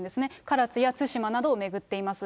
唐津や対馬などを巡っています。